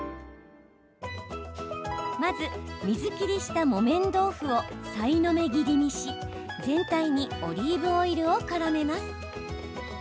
まず、水切りした木綿豆腐をさいの目切りにし、全体にオリーブオイルをからめます。